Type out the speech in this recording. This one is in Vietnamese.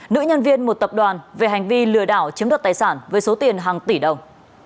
nữ nhân viên một tập đoàn về hành vi lừa đảo chiếm đoạt tài sản với số tiền hàng tỷ đồng